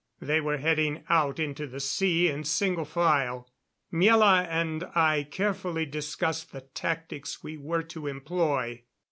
They were heading out into the sea in single file. Miela and I had carefully discussed the tactics we were to employ.